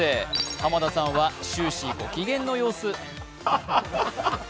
浜田さんは終始ご機嫌の様子。